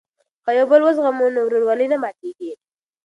که یو بل وزغمو نو ورورولي نه ماتیږي.